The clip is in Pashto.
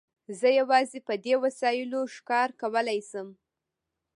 زه یوازې په دې وسایلو ښکار کولای شم.